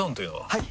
はい！